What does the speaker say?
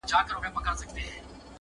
زما زړۀ کي فقط تۀ خلکو پیدا کړې .